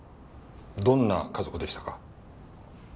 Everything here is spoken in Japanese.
どんな家族でしたか？